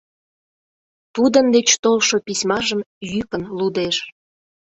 Тудын деч толшо письмажым йӱкын лудеш.